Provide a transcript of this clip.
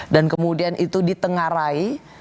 dan kemudian itu ditengarai